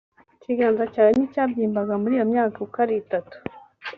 ikiganza cyawe nticyabyimbaga muri iyo myaka uko ari itatu